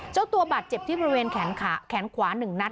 เจ้าตัวบาดเจ็บที่บริเวณแขนขวา๑นัด